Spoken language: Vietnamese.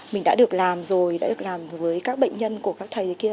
mình đã được làm rồi đã được làm với các bệnh nhân của các thầy ở dưới kia